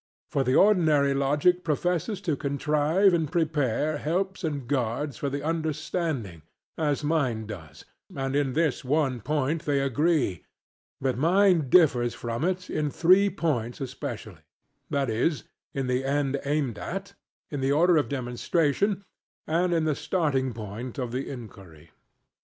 For the ordinary logic professes to contrive and prepare helps and guards for the understanding, as mine does; and in this one point they agree. But mine differs from it in three points especially; viz. in the end aimed at; in the order of demonstration; and in the starting point of the inquiry.